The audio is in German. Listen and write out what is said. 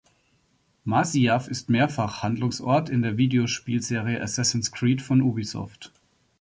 Masyaf ist mehrfach Handlungsort in der Videospielserie Assassin’s Creed von Ubisoft.